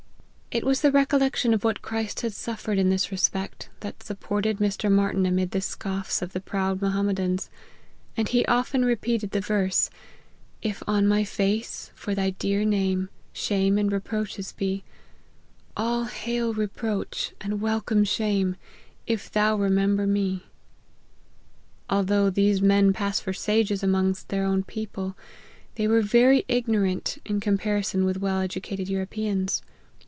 151 It was the recollection of what Christ had suf fered in this respect, that supported Mr. Martyn amidst the scoffs of the proud Mohammedans ; and he often repeated the verse, " If on my face, for thy dear name, Shame and reproaches be ; All hail reproach, and welcome shame, If thou remember me." Although these men pass for sages amongst their own people, they were very ignorant, in compari son with well educated Europeans.